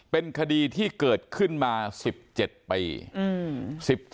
เป็นคดีที่เกิดขึ้นมา๑๗ปี